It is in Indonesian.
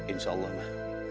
insya allah ma